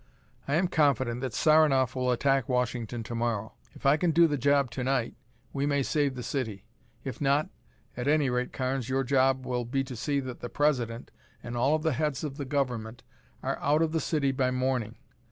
I am confident that Saranoff will attack Washington to morrow. If I can do the job to night, we may save the city. If not At any rate, Carnes, your job will be to see that the President and all of the heads of the government are out of the city by morning.